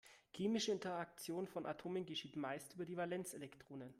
Chemische Interaktion von Atomen geschieht meist über die Valenzelektronen.